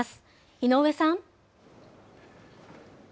井上さん。